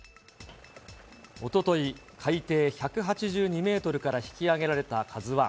おととい、海底１８２メートルから引き揚げられたＫＡＺＵＩ。